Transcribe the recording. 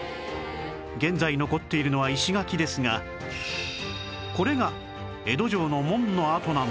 現在残っているのは石垣ですがこれが江戸城の門の跡なんです